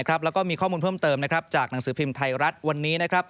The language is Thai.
แล้วก็มีข้อมูลเพิ่มเติมจากหนังสือพิมพ์ไทยรัฐวันนี้